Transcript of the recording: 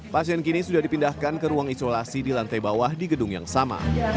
pasien kini sudah dipindahkan ke ruang isolasi di lantai bawah di gedung yang sama